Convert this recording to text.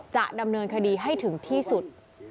จะดำเนินคดีให้ถึงที่สุด